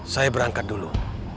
saya berangkat dulu